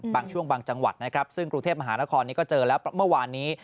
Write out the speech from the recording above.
บางช่วงบางจังหวัดนะครับซึ่งกรุงเทพมหานครนี้ก็เจอแล้วเมื่อวานนี้